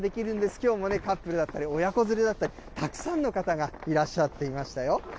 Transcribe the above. きょうもね、カップルだったり、親子連れだったり、たくさんの方がいらっしゃっていましたよ。